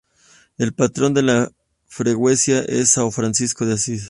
El patrón de la freguesia es São Francisco de Assis.